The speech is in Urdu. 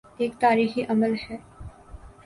ایک تاریخی عمل ہے۔